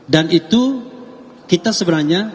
dan itu kita sebenarnya